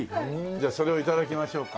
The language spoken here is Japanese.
じゃあそれを頂きましょうか。